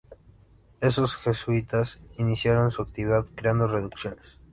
Estos jesuitas iniciaron su actividad creando reducciones.